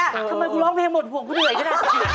ทำไมกูร้องเพลงหมดห่วงกูเหนื่อยก็ได้